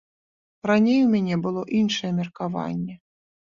Раней у мяне было іншае меркаванне.